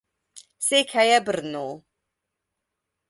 Székhelye Brno.